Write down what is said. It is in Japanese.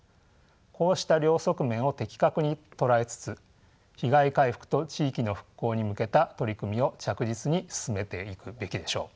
こうした両側面を的確に捉えつつ被害回復と地域の復興に向けた取り組みを着実に進めていくべきでしょう。